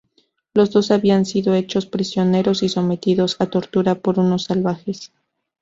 Los dos habían sido hechos prisioneros y sometidos a tortura por unos salvajes.